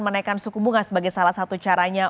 menaikkan suku bunga sebagai salah satu caranya